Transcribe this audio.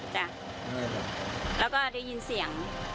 มันเป็นแบบที่สุดท้าย